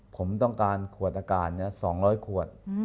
ผมต้องการขวดอากาศ๒๐๐ขวด